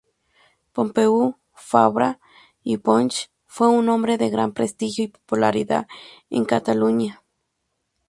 Pompeu Fabra i Poch fue un hombre de gran prestigio y popularidad en Cataluña.